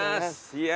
いや。